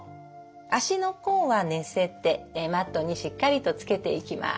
足の甲は寝せてマットにしっかりとつけていきます。